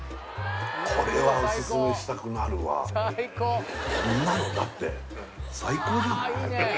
これはオススメしたくなるわこんなのだって最高じゃない？